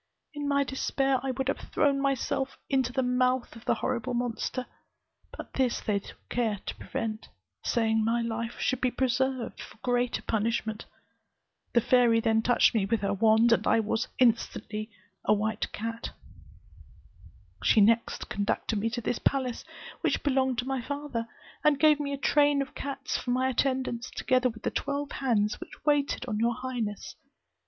In my despair, I would have thrown myself also into the mouth of the horrible monster, but this they took care to prevent, saying my life should be preserved for greater punishment. The fairy then touched me with her wand, and I instantly became a white cat. She next conducted me to this palace, which belonged to my father, and gave me a train of cats for my attendants, together with the twelve hands which waited on your highness.